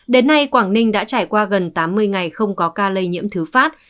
đến nay quảng ninh đã trải qua gần tám mươi ngày không có ca lây nhiễm thứ phát